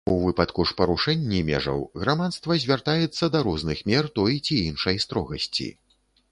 У выпадку ж парушэнні межаў грамадства звяртаецца да розных мер той ці іншай строгасці.